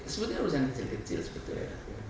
sebetulnya harus yang kecil kecil sebetulnya